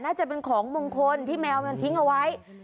น่าจะเป็นของมงคลที่แมวมันทิ้งเอาไว้